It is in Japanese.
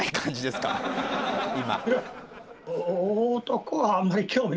今。